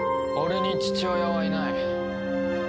俺に父親はいない。